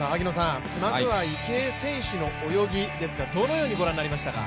まずは池江選手の泳ぎどのようにご覧になりましたか？